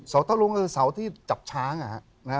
เสาตะลุงก็คือเสาที่จับช้างอะฮะ